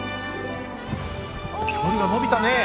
距離が伸びたね！